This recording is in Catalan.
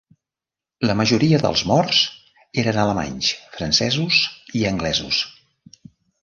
La majoria dels morts eren alemanys, francesos i anglesos.